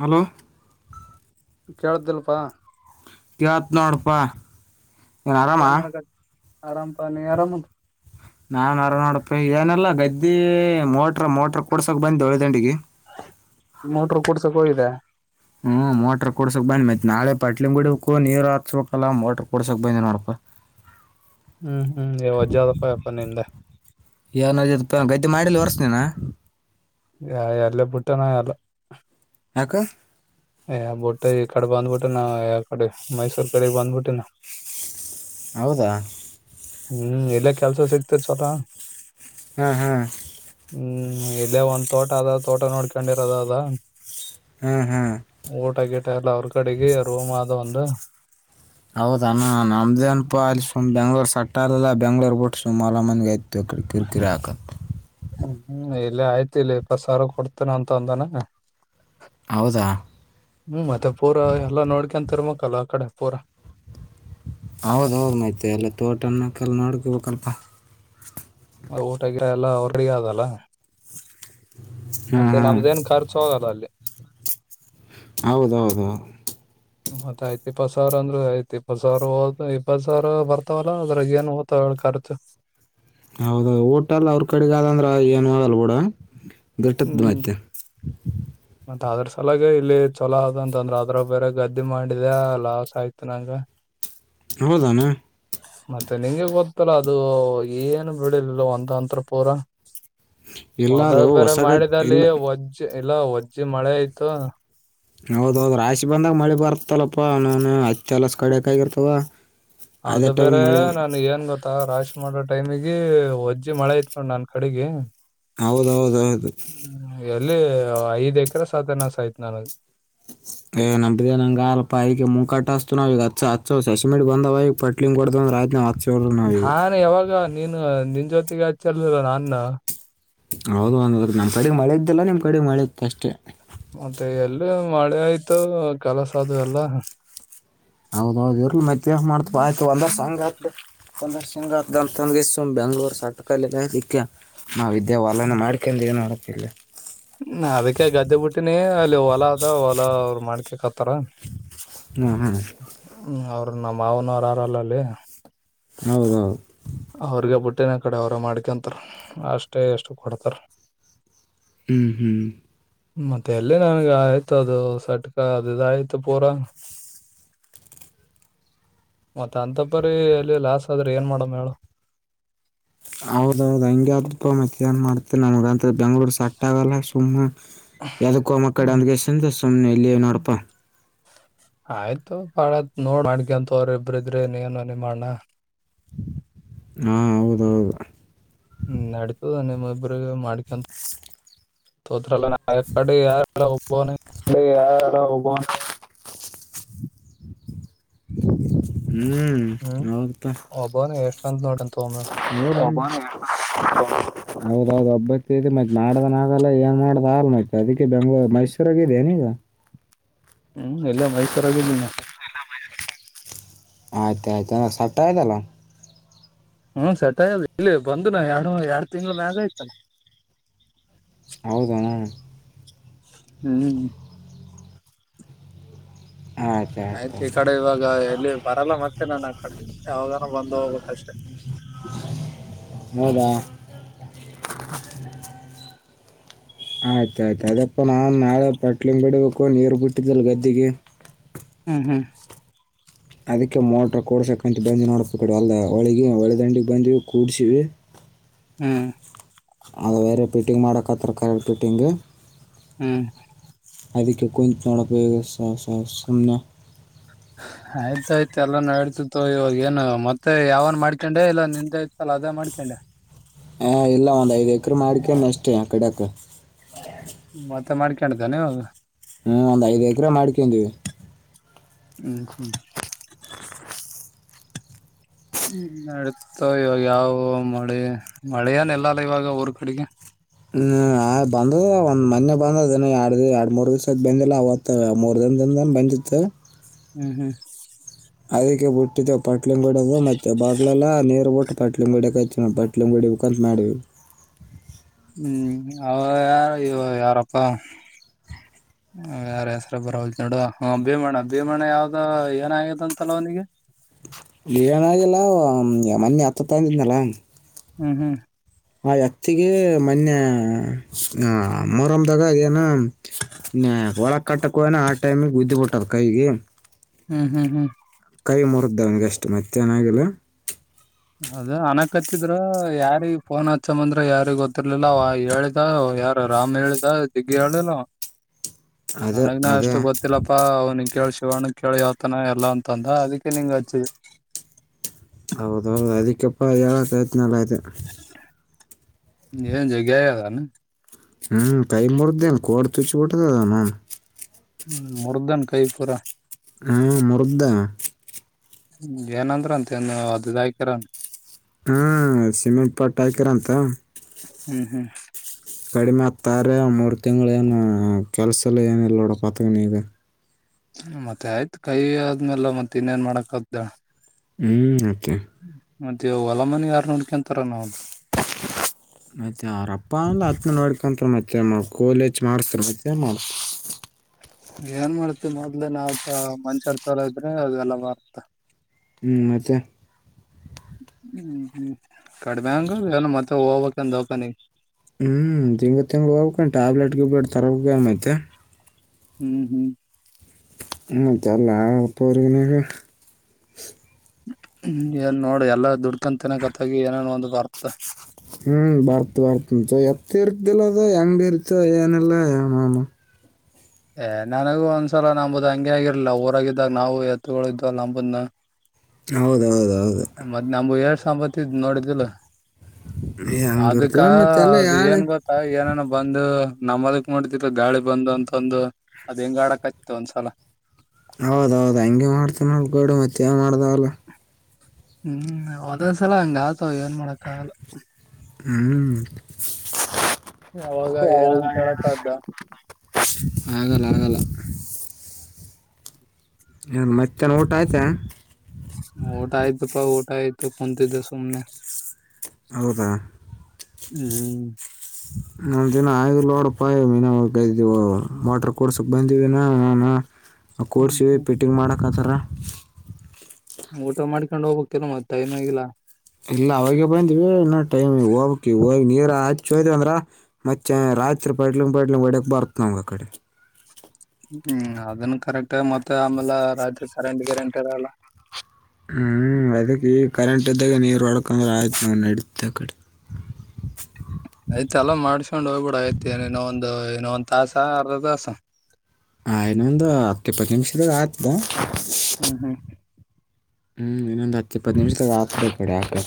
Hello ಕೇಳುತ್ತಿಲ್ಲಪ್ಪ ಕೇಳತ್ ನೋಡಪ್ಪಾ ನಿನು ಆರಾಮ ಆರಾಮ್ ಪ ನೀ ಆರಾಮ ನಾನ್ ಅರ [unintelligible] ನೋಡಪ ಏನಲ್ಲಾ ಗದ್ದಿ ಮೋಟ್ರ ಮೋಟ್ರ ಕುೂಡ್ಸಕ್ ಬಂದವಳಿ ದಂಡಿಗೆ ಮೋಟ್ರ ಕೂಡ್ಸಕ ಹೋಗಿದೆ ಹ್ಮ್ ಮೋಟರ್ ಕೊಡ್ಸಕ್ ಬಂದ್ ಮೈತ್ ನಳೆ ಪಟ್ಲಿಂಗುಡಕು ನೀರ್ ಹಾತ್ಬೇಕಕ್ಲ್ಲಾ ಮೋಟರ್ ಕೊಡ್ಸಕ್ ಬಂದ್ನೋಡಪ ಹ್ಮ್ ಹ್ಮ [unintelligible] ವಜ್ಜಿ ಆದ ಯಪ ನಿಂದ ಏನಾಗ್ಯಾದಪ [unintelligible] ಗದ್ದೆ ಮಾಡಿಲಿ ವರ್ಷ ನೀನ ಯ ಎಲ್ಲ ಪುಟ್ಟನ ಎಲ್ಲ ಯಾಕ ಯ ಬಟ್ ಈ ಕಡೆ ಬಾಧಬಟ್ಟೆನಾ ಯ ಕಡೆ ಮೈಸೂರ ಕಡೆ ಬಂದ್ಬಿವ್ನವು ಹೌದಾ ಹ್ಮ್ ಇಲ್ಲ ಕೆಲ್ಸ ಸಿಗ್ತ ಚಲ [unintelligible] ಹ ಹಾ ಹ್ಮ್ ಇಲ್ಲೇ ಒಂದ್ ತೋಟ ಅದ ತೋಟ ನೋಡ್ಕೊಂಡಿರದ ಅದ [unintelligible] ಹಾಂ ಹಾಂ ಊಟ ಗಿಟಾ ಎಲ್ಲ ಅವ್ರ ಕಡೆಗೆ ರೋಮ್ ಆದ ಒಂದು ಹೌದಣ ನಮ್ದೇ ಅನಪ ಅಲ್ಲಿಮ್ ಬೆಂಗ್ಳೂರ್ ಸಟ್ಟ [unintelligible] ಟಲ್ಲ ಬೆಂಗ್ಳೂರ್ ಬುಟ್ಸು ಹೊಲ [unintelligible] ಮನಿ ಆಯತು ಅಡೆ ಕಿರಿಕಿರಿ ಹಾಕು ಹ್ಮ್ [unintelligible] ಇಲ್ಲ ಆಯ್ತ ಇಲ್ಲಿ ಇಪ್ಪತ್ತು ಸಾವಿರ ಕೊಡ್ತೇನ ಅಂತ ಅಂದಾನ ಹೌದಾ ಹ್ಮ್ ಮತ್ತೆ ಪೂರಾ ಎಲ್ಲ ನೋಡ್ಕಂನತ್ತಿರ್ಬೇಕಾಲ ಆಕಡೆ ಪೂರಾ ಹೌದ ಹೌದ್ಮತಿ [unintelligible] ಎಲ್ಲ ತೋಟನ್ನಕಲ್ಲ ನೋಡ್ಕೋಬೇಕಲ್ಪ ಊಟ ಗಿಟಾ ಎಲ್ಲ [unintelligible] ಅವ ರೆಡಿ ಆದಲ್ಲ [unintelligible] ಹಾಂ ಮತ್ತೆ ಹಾಂ ನಮ್ದೇನ್ ಖರ್ಚು ಹೋಗದ ಅಲ್ಲಿ ಹೌದೌದು ಮತ್ತೆ ಐತಿ ಏಪತುಸಾವಿರ ಅಂದ್ರೆ ಇಪಾತುಸಾವಿರ [unintelligible] ಇಪಾತುಸಾವಿರ ಬರ್ತಾವಲ್ಲಾ ಅದ್ರಾಗ ಏನು ಓ್ತಾವ [unintelligible] ಕರ್ತ ಹೌದು ಊಟಲ್ಲಿ ಅವ್ರ ಕಡೆಗೆ ಆದ ಅಂದ್ರೆ ಏನು ಆಗಲ್ಲ ಬೂಡ [unintelligible] ಗಿಟಾಕ್ ಹ್ಮ್ ಬರುತ್ತೆ ಮತ್ ಅದ್ರ ಸಲಾಗ ಇಲ್ಲಿ ಚೊಲೋ ಅದಂತಂದ್ರ ಅದ್ರ ಬೇರೆ ಗದ್ದೆ ಮಾಡಿದೆ ಲಾಸ್ ಆಯ್ತು ನಂಗ ಹೌದನಾ ಮತ್ತೆ ನಿಂಗೆ ಗೊತ್ತಲ್ಲ ಅದು ಏನು ಬಿಳಲಿಲ್ಲ [unintelligible] ಒಂದ ಅಂತ್ರ ಪೂರ ಇಲ್ಲ ಅದು ಹದಾಗ ಬೇರೆ ಹೊಸ ಗದ್ದೆ ಮಾಡಿದಲ್ಲಿ ಇಲ್ಲ ವಜ್ಜ್ ಇಲ್ಲ ವಜ್ಜಿ ಮಳೆ ಆಯ್ತು [unintelligible] ಹೌದ್ ಹೌದು್ ರಾಶಿ ಬಂದಾಗ ಮಳೆ ಬರ್ತಲ್ಲಪ್ಪಾ ನನ್ ಅಚ್ಚ ಎಲಸ್ ಕಡಕ್ ಆಗಿರ್ತವ [unintelligible] ಅದು ಬೇರೆ ನಾನ್ಗೆ ಏನ್ ಗ [unintelligible] [unintelligible] ಮ ರಾಶಿ ಮಾಡೋ ಟೈಮಗೆ ಒಜ್ಜ ಮಳೆ ಐತ್ಕ್ ನನ್ ಕಡೆಗೆ ಹೌದೌದೌದು [unintelligible] ಎಲ್ಲಿ ಐದ್ ಎಕರೆ ಸಾತನಾಸ್ ಆಯ್ತು ನನಗೆ ಏ ನಂಬ್ದ [unintelligible] ನಂಗ ಆಲ್ಪ ಈಕ ಮೂ ಕಟ್ಟಸ್ತ ನಾವ ಈ ಹಚ್ಚ ಹಸ ಸಸಿಮಿಡ್ [unintelligible] ಬಂದ ಈಗ ಪಟ್ಲಿಂಗ ಕೊಡ್ದ [unintelligible] ರಾಜ್ಯ ಹಸ [unintelligible] ನಾನ್ ಯಾವಾಗ ನೀನ್ ನಿನ್ ಜೊತೆಗೆ ಹಚ್ಚಿಲ್ದಿಲ್ಲ ನಾನ್ [unintelligible] ಹೌದು ಒದ ನಮ ಕಡೆಗ್ ಮಳೆ ಇದ್ದಲ್ಲ ನಿಮ್ ಕಡೆಗ್ ಮಳೆ ಇತ್ತು ಅಷ್ಟೆ. ಮತ್ತೆ ಎಲ್ಲು ಮಳೆ ಆಯ್ತು ಕೆಲಸ ಅದು ಎಲ್ಲ. ಹೌದೌದು ಇರ್ಲಿ [unintelligible] ಮತ್ತ ಮಾಡ್ತ್ವ ಆಯತ ಅಂದ್ರ ಸಂಗ [unintelligible] ಪಂದಶಂಗ ದ [unintelligible] ತಗಸ ಬೆಂಗ್ಲೋರು ಸಾಟಕ ಇಕ್ಕ ನಾವು ವಿದ್ಯಾವಾಲನೆ ಮಾಡ್ಕೊಂಡೊಂಡ ಏನು ನೋಡೋಕ್ಕಿಲ್ಲ [unintelligible] [unintelligible] ಅದಕ್ಕೆ ಗದ್ದೆ ಬಿಟ್ಟಿನಿ ಅಲ್ಲಿ ಹೊಲಾ ಅದ ಹೊಲ ಅವರು ಮಾಡ್ಕಕ್ ಹತ್ತಾರ ಹ್ಮ ಹ್ಞೂ ಹ್ಞೂ ಅವ್ರ ನಮ್ಮ ಮಾವನವ್ರ ಯಾರಲ್ಲ ಅಲ್ಲಿ ಹೌದು ಹೌದು ಅವ್ರಿಗೆ ಬುಟ್ಟಿನ ಕಡೆ ಅವರ ಮಾಡ್ಕೊಂತಾರ ಅಷ್ಟೇ ಎಷ್ಟು ಕೊಡ್ತಾರ ಹ್ಮ್ ಹ್ಮ್ ಮತ್ತೆ ಎಲ್ಲಿ ನನ್ಗೆ ಆಯ್ತು ಅದು ಸಟ್ಕ ಅದುದು ಆಯ್ತು ಪೂರಾ. ಮತ್ತ ಅಂತಪರಿ ಎಲ್ಲಿ ಲಾಸ್ ಆದ್ರೆ ಏನ್ ಮಾಡಮ ಹೇಳು. ಹೌದೌದ್ ಹಂಗೆ ಆಗಿಬಿಡ್ತಾ ಮತ್ತೆ ಏನ್ ಮಾಡ್ತ ನಮಗಂತ. ಬೆಂಗ್ಗಳೂರು ಸೆಟ್ ಆಗಲ್ಲ ಸುಮ್ಮ್ ಏದಕ್ಕೋ ಮಕ್ಕಡೆ ಹ್ಮ್, ಅಂದಗೆಸ. ಸ್ ಎಲ್ಲಿ ಏ ನೋಡಪ್ಪ. ಆಯ್ತು ಬಾಳತ್ ನೋಡ್ ಮಾಡ್ಕಂತ ಅವ್ರ ಇಬ್ರ ಇದ್ರೆ ನೀ ಏನ ಮಾಡಣ. ಹಾ ಹೌದೌದು. ಹ್ಮ್ ನಡತದ ನಿಮ್ಮೊಬ್ರ ಮಾಡ್ಕಂತ. ತೋತ್ರಲ್ಲ ನ ಕಾಡೆ ಯಾರಲ್ಲ ಒಬ [inaudible] ಇ ಯಾರಾರ ಹೋಗ [inaudible] [unintelligible] ಹ್ಮ್ ಹ್ಮ್ ಹೌದ್ ಪಾ. ಒಬ್ಬವನೇ ಎಷ್ಟಂತ ನೋಡಂತ ಒಮ್ಮೆ [unintelligible] ಹೌದೌದು ಒಬ್ಬಾಕೆ ಇದೆ ಮತ್ತ ಮಾಡ್ದನ ಆಗಲ್ಲ ಏನ್ ಮಾಡ್ದ ಆ ಮತ್ತ ಅದಕ್ಕೆ ಬೆಂಗ್ಳೂರು ಮೈ. ರಗಿದೆ ನೀಗ. ಹ್ಮ್ ಇಲ್ಲ ಮೈಸೂರಾಗಿಇದೀನಿ ನಾ. ಆಯ್ತಾ ಆಯ್ತ ಸೆಟ್ ಅದೀಯಾಲಾ. ಹ್ಮ್ ಸೆಟ್ ಆ ಇಲ್ಲಿ ಬಂದು ನ ಎರಡು ಎರಡು ತಿಂಗಗಳ ಮ್ಯಾಗ ಆಯ್ತಲ್ಲ. ಹೌದೆನ್. ಹ್ಮ್. ಆಯ್ತಾಯ್ತು ಆಯ್ತು ಈ ಕಡೆ ಇವಾಗ ಎಲ್ಲಿ ಬರಲ್ಲ ಮತ್ತೆ ನಾನು ಆ ಕಡೆ ಯಾವಾಗಾನೂ ಬಂದು ಹೋಗ್ಬೇಕು ಅಷ್ಟೇ. ಹೌದಾ. ಹ್ಮ ಹ್ಮ. ಆಯ್ತಾಯಯ್ತು ಅದಪ್ಪಾ ನಾನ್ ನಾಳೆ ಪಟ್ಲಿಂಗ ಬಿಡ್ಬೇಕು ನೀರು ಬಿಟ್ಟಿದ್ದಲ್ ಗದ್ದೆಗೆ. ಹ್ಮ್ ಹ್ಮ್. ಅದಕ್ಕೆ ಮೋಟ್ರ ಕಡ್ಸಕಂತ ಬಂದ ನೋಡ್ಬೇಕ ಕಡೆ ಅಲ್ಲ ಹೊಳಿಗೆ ಹೊಳೆ ದಂಡಿಗೆ ಬಂದಿವವಿ ಕೂಡ್ಸಿ. ಹಾ. ಅ ಬೇರೆ ಪಿಟ್ಟಿಂಗ್ ಮಾಡಕತ್ತಾರ ಕರೆಕ್ಟ್ ಫಿಟ್ಟಿಂಗ್. ಹ್ಮ್. ಅದಕ್ಕೆ ಕುಂತ ನೋಡಪಯೋಗ ಸ ಸ ಸುಮ್ನ. [inaudible] ಆಯ್ತಾಯಯ್ತು ಎಲ್ಲಾ ನೋಡ್ತೇತೀ ಇವಾಗೇನು ಮತ್ತೆ ಯಾವನ ಮಾಡ್ಕೊಂಡೆ ಇಲ್ಲ ನಿಂದ ಇತಲ್ಲ ಅದೇ ಮಾಡ್ಕೊಂಡೆ. ಹ ಇಲ್ಲ ಒಂದ್ ಐದ್ ಎಕರ್ ಮಾಡ್ಕೊಂಡ ಅಷ್ಟೇ ಆ ಕಡಕ್. ಮತ್ತ ಮಾಡ್ಕೊಂಡ್ದಾನೆವಾಗ. ಹ್ಮ್ ಒಂದ್ ಐದ್ ಎಕ್ರ ಮಾಡ್ಕೊಂಡೀವಿ. ಹ್ಮ ಹ್ಮ. ಹ್ಮ ನಡತ್ತೊಗೋ ಇವಾಗ ಯಾವವ ನೋಡಿ ಮಳೆಯನ್ ಎಲ್ಲಲ್ಲ ಇವಾಗ ಊರ್ ಕಡೆಗೆ. ಹ್ಮ್ ಆ ಬಂದದ ಒಂದ್ ಮೊನ್ನೆ ಬಂದದ ಎರಡ್ ಎರಡ್ ಮೂರ್ ದಿವಸ್ ಬಂದಿಲ್ಲ ಅವತ್ತ ಮೂರ್ ದ. ಒಂದಂದನ್ ಬಂದತ್ತ. ಹ್ಮ್ ಹ್ಮ್ ಅದಕ್ಕೆ ಬಿಟ್ಟಿದ್ದೇವು ಪಟ್ಲಿಂಗಡದು ಮತ್ತೆ ಬರ್ಲೆಲ್ಲಾ ನೀರು ಬಿಟ್ಟು ಪಟ್ಲಿಂಗುಡ ಹಚ್ಚ ಪಟ್ಲಿಂಗುಡಿ ಮುಖಂತ ಮಾಡೀವಿ ಹ್ಮ್ ಅವ ಯಾರ ಇವಾ ಯಾರಪ್ಪ. ಯಾರ ಹೆಸ್ರ ಬರವಲ್ತಾ ನೋಡ ವಾ ಹ ಭೀಮಣ ಭೀಮಣ ಯಾವ್ದ ಏನ ಆಗದ ಅಂತಲ್ಲ ಅವನಿಗೆ. ಲನ ಆಗಿಲ್ಲ ಮೊನೆೆ ಹತ್ತ ತಂದಿದ್ನಲ್ಲ. ಹ್ಮ್ ಹ್ಮ್. ಆ ಎತ್ತಿಗೆ ಮೊನ್ನೆ ಆ ಮೋರಮ್ದಾಗ ಅದೇನ. ಹ ಒಳ ಕಟ್ಟಕ್ಕೋ ಆ ಟೈಮಿಗೆ ಬುದ್ಧಿ ಬಿಟ್ಟ್ ಕೈಗೆ. ಹ್ಮ ಹ್ಮ ಹ್ಮ. ಕೈ ಮುರಿದವನಿಗೆ ಅಷ್ಟ ಮತ್ತೆೇನಾಗಿಲ್ಲ. ಅದ ಅನಕ್ ಹತ್ತಿದ್ರ ಯಾರಿ ಫೋನ್ ಹಚ್ಚಮ್ಮಂದ್ರ ಯಾರಿ ಗೊತ್ತಿರ್ಲಿಲ್ಲ ಅವ ಹೇಳಿದ. ಯಾರ ರಾಮ್ ಹೇಳಿದ ದಿಗ್ಗಿ ಹೇಳಿಲ್ಲ ಅದೇ ನನಗ್ನ ಅದೇ ಅಷ್ಟು ಗೊತ್ತಿಲ್ಲಪ್ಪಾ ಅವ್ನಂಗ ಕೇಳ್ಸ ಶಿವಣ ಕೇಳಿ ಯಾವತನ ಎಲ್ಲ ಅಂತ ಅಂದ ಅದಕ್ಕೆ ನಿಂಗ ಅಚ್ಚ ಹೌದೌದು ಅದಕ್ಕೆಪ್ಪ ಯ ಪ್ರಯತ್ನಲ್ಲ ಆಐತೆ ಏನ್ ಜಗ ಾನ ಹ್ಮ್ ಕೈ ಮರ್ದೇನ ಕೋಡ್ ತುಚಿ ಬಿಟ್ಟದ ಅದಾನ ್ಮ ಮುರ್ಧನ್ ಕೈ ಪೂರ ಹಾ ಮುರುದದ ಹ್ಮ ಏನಂದ್ರ ಅಂತ ಏನ್ ಅದದ ಹಾಕರನ್ ಹ್ಮ ಸಿಮೆಂಟ್ ಪಾಟ್ ಆಯಕರ್ ಅಂತ ಹ್ಮ್ ಹ್ಮ್ ತಾರೆ ಮೂರ್ ತಿಂಗ್ ಏನು ಕೆಲ್ಸಲ್ಲ ಏನ ಇಲ್ಲ ನೋಡ ಪತಗನಿ ಇದೆ ಮತ್ತೆ ಆಯ್ತ್ು ಕೈ ಆದ್ಮೇಲೆ ಮತ್ತತ್ ಇನ್ನೇನ್ ಮಾಡಾಕ್ದ್ದ ಹ್ಮ್ ಮತ್ತೆ ಹೊಲಮನೆ ಯಾರ್ ನೂಡ್ಕಂತಾರ ನಾವಂತ ಮತ್ತೆ ಅವರಪ್ಪ ಅಂದ ಹತ್ನ ನೋಡ್ ಕಕಂತ ಮತ್ತೆ ಮಾಡ ಕೋಲಜ ಮಾಡಸ್ತ ಮತ್ತೆ ಮಾಡ ಏನ್ ಮಾಡ್ತಿವಿ ಮೊದ್ಲೇ ನಾವ ಚ ಮನ್ಷರ್ ಚಲ ಇದ್ರೆ ಅದೆಲ್ಲ ಬಾರತ ಹ್ಮ ಮತ್ತೆ ಹ್ಮ್ ಹ್ಮ ಕಡಿಮೆ ಹಂಗ ಏನ ಮತ್ತೆ ಹೋಗ್ಬಕ್ನ್ ದವಾಖಾನೆ ಹ್ಮ್ ತಿಂಗ್ ತಿಂಗ್ಗಳು ಹೋಗ್ಬೇಕ ಟ್ಯಾಬ್ಲೆಟ್ ಗೂಬ್ಲೆಟ್ ತರಐತೆ ಹ್ಮ್ ಹ್ಮ್ ಮತ್ತ ಅಲ್ಲ ಉಪನ [unintelligible] ಹ್ಮ ಏನ್ ನೋಡಿ ಎಲ್ಲ ದುಡ್ಕಂತನ ಕತ್ತಗಿ ಏನೇನ್ ಒಂದು ಬರ್ತೆ. ಹ್ಮ್ ಬರ್ತ್ ಬರ್ತ ಎತ್ ಇರ್ತದಿಲ್ಲ ಅದ ಹೆಂಗ್ ಬಿ ಇರ್ತ ಏನಲ್ಲಮಾಮ ಏ ನನಗೂ ಒಂದ್ಸಲ ನಂಬುದ್ ಹಂಗೆ ಆಗಿರ್ಲ ಊರಾಗಿದ್ದಾಗ ನಾವು ಎತ್ತುಗಳ ಇದ್ವ ನಂಬುದ್ನ ಹೌದೌದು ಮ್ ನು ಎಳ್ ಸಾಂಬತ್ತಿದ ನೋಡಿದಿಲ್ಲ ಏ ಅದಕ್ಕ ಹಂಗಿರ್ತೇವ ಮತ್ತೆಲ್ಲ ಅದು ಯಾಳೆ ಏನ್ ಗೊತ್ತಾ ಏನೇನು ಬಂದು ನಮ್ಮದಕ್ ಮಾಡತಿ ಗಾಳಿ ಬಂದ ಅಂತಂದು ಅದ ಹೆಂಗ್ ಆಡಕ್ ಆಯತಿ ಒಂದ್ಸಲ. ಹೌದೌದು ದಾಲ ಹ್ಮ್ ಒದೊಂದ್ಸಲ ಹಂಗ ಆತವ ಏನ್ ಮಾಡಕ್ಕ ಆಗಲ್ಲ. ಹ್ಮ್ ಯಾವಾಗ ಏನಂತ ಹೇಳಕ್ಕ್ದ ಆಗಲ್ಲ ಆಗಲ್ಲ ನ್ ಮತ್ತೆ ಊಟ ಆಯ್ತಾ ಊಟ ಆಯ್ತಪ್ಪಾ ಊಟ ಆಯ್ತು ಕುಂತಿದ್ದ ಸುಮ್ನೆ. ಹೌದ ಹ್ಮ್ ನಾ ದಿನ ಆಯೋಡಪ್ಪ ಮೀಿನ ಇದೀವು ಮೋಟ್ರ ಕೊಡ್ಸಕ್ ಬಂದಿವಿನ ನಾನ ನಾವು ಹ್ಮ್ ಕೋಡ್ಸೀವಿ ಹ್ಮ್ ಫಿಟ್ಟಿಂಗ್ ಮಾಡಕ ಅದುರ ಊಟ ಮಾಡ್ಕೊಂಡ್ ಹೋಗ್ಬೇಕಕ್ ಕೆಲ ಮತ್ತ ಟೈಮ್ ಆಗಿಲ್ಲಾ ಇಲ್ಲ ಅವಾಗ ಬಂದಿವವಿ ಇನ್ನ ಟೈಮ್ ಹೋಗಕ್ಕೆ ಹೋಗ ನೀರ ಅ ಚೋಯತ ಅಂದ್ರ ಮತ್ತೆ ರಾತ್ರಿ ಪಡ್ಲಿಂಗ ಪಡ್ಲಿಂಗ ಹೊಡಕ್ ಬರ್ತ್ ನಮಗೆ ಆ ಕಡೆ ಹ್ಮ್ ಅದನ್ನು ಕರೆಕ್ಟ್ ಮತ್ತೆ ಆಮೇಲೆ ರಾತ್ರಿ ಕರೆಂಟ್ ಗೆರೆಂಟ್ ಇರಲ್ಲ. ಹ್ಮ್ ಅದಕ್ಕೆ ಈ ಕರೆಂಟ್ ಇದ್ದಾಗ ನೀರು ಹೊಡಕಂದ್ರೆ ಆಯ್ತು ನಾವು ನಡೀತೆ ಕಡೆ ಆಯ್ತ್ ಚಲೋ ಮಾಡ್ಸ್ಕೊಂಡ್ ಹೋಗ್ಬಿಡ ಆಐತಿನ ಇನ್ನೊ ಒಂದು ಇನೊ ಒಂದ್ ತಾಸ ಅರ್ಧ ತಾಸ ಹ ಇನ್ನೊಂದು ಹತ್ತು ಇಪ್ಪತ್ತು ನಿಮಿಷದಾಗ ಆತುದಾ ಹ್ಮ್ ಹ್ಮ್ ಹ್ಮ ಇನ್ನೊಂದು ಹತ್ತ ಈಪ್ಪತ್ತು ನಿಮಿಷದಾಗ ಆತುದ ಆ ಕಡೆ ಆದ್ರ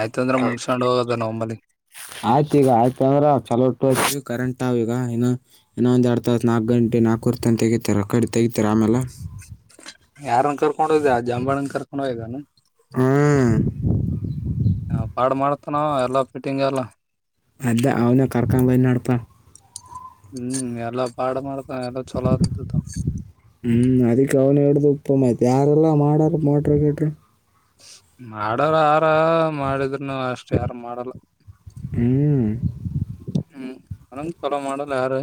ಆಯ್ತಂದ್ರ ಮುಗಸ್ಕೊಂಡ್ ಹೋಗೋದ ನಮ್ಮಂಬಲ್ಲಿ ಆಯ್ತು ಈಗ ಆಯ್ತ ಅಂದ್ರ ಚಲೋ ಕರೆಂಟ್ ಅವ ಈಗ ಇನಾ ಇನ್ನೊಂದ ಎಡ್ಡ ತಾಸ ನಾಲ್ಕ ಗಂಟೆ ನಾಕುವರೆ ತನಕ ಅಗೆತ ರೋಕ್ ಆಟ ತಗಿ ಯಾರನ್ ಕರ್ಕೊಂಡ್ ಹೋದೆ ಜಂಬಾಳನ್ ಕರ್ಕೊಂಡ್ ಹೋಗಿದೇನು ಹ್ಮ್ ಹ ಬಾಳ್ ಮಾಡತನ ಎಲ್ಲ ಫಿಟಿಂಗ್ ಎಲ್ಲ ಅದ ಅವನೇ ಕರಕೊಂಡ ಬಂದೆ ನೋಡ್ಪ ಹ್ಮ್ ಎಲ್ಲ ಪಾಡ್ ಮಾಡ್ತನಾ ಎಲ್ಲ ಚಲೋ ಆತುದ ಇ ಉಪ್ಪಮ ಆಯ್ತು ಯಾರೆಲ್ಲ ಮಾಡಾರ ಮೋಟ್ರ ಗಿಟ್ರಾ ಮಾಡುವರು ಹಾರ ಮಾಡಿದ್ರನು ಅಷ್ಟ್ ಯಾರ ಮಾಡಲ್ಲ ಹ್ಮ್ ನನಂಗ್ ಚಲೋ ಮಾಡಲ್ಲ ಯಾರು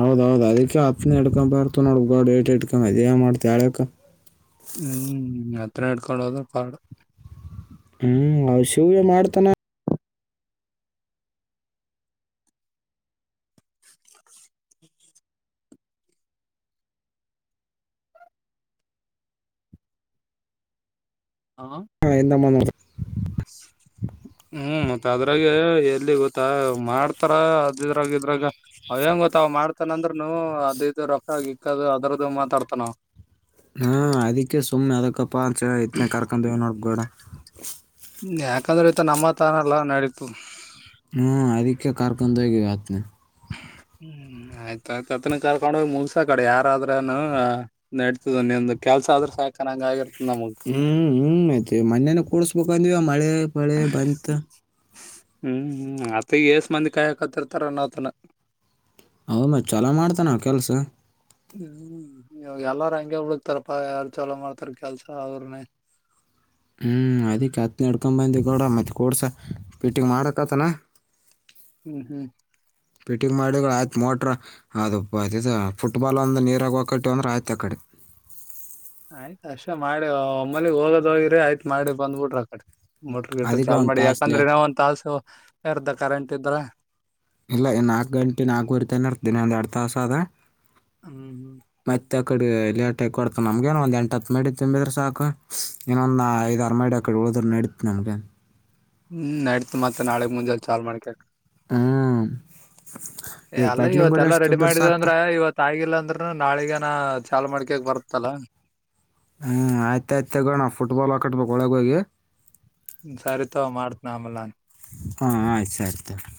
ಹೌದೌದು ಅದಕ್ಕೆ ಹತ್ನ ಇಡ್ಕೊ ಬರ್ತ ನೋಡ್ ಗೋಡಿಕೆ ಇಡ್ಕೊ ಅದ ಯಾವ ಮಾಡ್ತ ಏಳಕ್ ಹ್ಮ್ ಹತ್ರ ಇಡ್ಕಳೋದ ಪಾಡು ಹ್ಮ್ ಅವ ಶಿವರ್ ಮಾಡ್ತಾನ [unintelligible] ಹಾ ಹಾ ಹಿಂದ ಮುಂದ [unintelligible] ಹ್ಮ್ ಮತ್ತ ಅದ್ರಾಗ ಎಲ್ಲಿ ಗೊತ್ತಾ ಮಾಡ್ತಾರ ಅದಿದ್ರಾಗ ಇದ್ರಾಗ ಅವ ಏನ್ ಗೊತ್ತಾ ಅವ ಮಾಡ್ತಾನಂದ್ರನು ಅದ ಇದು ರೊಕ್ಕ ಗಿಕ್ಕದು ಅದ್ರದದು ಮಾತಾಡ್ತಾನಾವ್ ಹಾ ಅದಿಕ್ಕೆ ಸುಮ್ಮ್ನೆ ಎದ್ಕ್ಕಪ್ಪ ಅಂತ ಹೇಳಿ ಈತ್ನೆ ಕರ್ಕೊಂಡ ಹೋಗಿನ್ ನೋಡ್ ಗೌಡ ಯಾಕಂದ್ರೆ ಆಯತ ನಮ್ಮತಾನಲ್ಲ ನಾಡಿತುದು ಕರಕೊಂಡ ಹೋಗಿ ಆಯ್ತುನು ಹ್ಮ್ ಆಯ್ತ ಆಯ್ತತ್ನ ಕರ್ಕೊಂಡೋಗಿ ಮುಗಸ ಆಕಡೆ ಯಾರಾದ್ರೂನು ನೆಡ್ತದಿ ನಿಂದು ಕೆಲಸ ಆದ್ರ ಸಾಕ ಅನ್ನಾಂಗ ಆಗಿರ ಹ್ಮ್ ಹ್ಮ್ ಆಯ್ತ್ ಮೊನ್ನೆನೆ ಕೂಡ್ಸ್ಬೇಕಂದ್ವಿ ಮಳೆ ಪಳೆ ಬಂತ ಹ್ಮ್ ಹ್ಮ್ ಅತ್ತ ಈ ಏಷ್ಟ ಮಂದಿ ಕಾಯಾ ಕಾಯಕತೀರತಾರ್ ಅನಂತೇನ ಅವನ ಚಲೋ ಮಾಡ್ತನ ಕೆಲಸ ಹ್ಮ್ಮ್ ಇವಾಗ ಎಲ್ಲಾರ ಹಂಗೆ ಹುಡುಕಾತರ್ಪ ಯಾರ್ ಚಲ ಮಾಡ್ತಾರ ಕೆಲ್ಸ ಅವ್ರನೆೇ [unintelligible] ಹ್ಞೂ ಅದಕ್ಕೆ ಆತ್ತನ ಹಿಡ್ಕೊಂಡ ಬಂದೆ ಕೊಡ ಮತ್ತೆ ಕೋಡ್ಸ ಫಿಟ್ಟಿಂಗ್ ಮಾಡಕತ್ತನಾ ಹ್ಮ್ ಹ್ಮ್ ಫಿಟಿಂಗ್ ಮಾಡಿದರ ಆಯ್ತು ಮೋಟ್ರ ಅದು ಅದು ಫುಟ್ಬಾಲ್ ಒಂದು ನೀರಾಗ ಓಕತೆ ಅಂದ್ರೆ ಆಯ್ತು ಆ ಕಡೆ [inaudible] ಆಯ್ತ್ ಅಷ್ಟೇ ಮಾಡಿ ಒಮ್ಮಲ್ಲಿ ಹೋಗೋದ ಹೋಗಿರಿ ಆಯ್ತ್ ಮಾಡಿ ಬಂದ್ಬಿಟ್ರಿ ಆ ಕಡೆ ಮೋಟರ್ ಗಿಟ ಅದಕ್ಕೆ ಚಾಲೋ ಒಂದು ಮಾಡಿ ತಾಸ್ಲೆ ಯಾಕಂದ್ರೆ ಇನೋ ಒಂದು ತಾಸು ಎರಡ ಕರೆಂಟ್ ಇದ್ರ ಇಲ್ಲ ನಾಲ್ಕು ಗಂಟೆ ನಾಲ್ಕುರಿತಾನ ಇರ್ತೀನಿ ಒಂದ ಎರಡು ತಾಸ ಆದ ಹ್ಮ್ ಮತ್ತೆ ಆ ಕಡೆ ಲೇಟ್ ಆಗ ಕೊಡ್ತ ನಮ್ಗಏನ ಒಂದ ಎಂಟ ಹತ್ ಮ ಮಾಡಡಿ ತುಂಬಿದ್ರೆ ಸಾಕು ಇನ್ನೊಂದ ಐದ ಆರು ಮಡಿ ಅಕಡೆ ಉಳದರ ನಡೆಯುತ್ತ ನಮಗ್ ಏನ್ ಹ್ಮ್ ನೈಡ್ತ್ ಮತ್ತತ್ ನಾಳಗ್ ಮುಂಜೆ ಚಾಲ್ ಮಾಡ್ಕಕ್ ಹ್ ಏ ಅಲ್ಲ ಇವತ್ತೆಲ್ಲಾ ರೆಡಿ ಮಾಡಿದ ಸಾಕು ಅಂದ್ರ ಇವತ್ ಆಗಿಲ್ಲಾಂದ್ರರುನು ನಾಳಿಗನಾ ಚಾಲೋ ಮಾಡ್ಕೊಳಕ್ ಬರುತ್ತಲ್ಲ ಹ್ಮ್ ಆಯ್ತ ಆಯ್ತ ತಗೋಣ ಫುಟ್ಬಾಲ್ ಹಾಕಟ್ಬೇಕಕ್ ಒಳಗ ಹೋಗಿ ಸರಿ ತಗೋ ಮಾಡ್ತೀನಿ ಆಮೇಲೆ ನಾನೇ ಹಾ ಆಯ್ತು ಸರಿ ತೊಗೊ